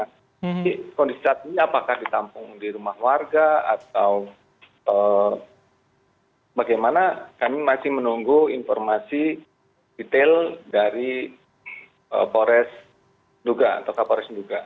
kondisi saat ini apakah ditampung di rumah warga atau bagaimana kami masih menunggu informasi detail dari polis juga